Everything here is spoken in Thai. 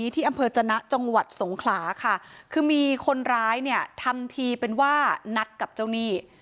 ที่อำเภอจนะจังหวัดสงขลาค่ะคือมีคนร้ายเนี่ยทำทีเป็นว่านัดกับเจ้าหนี้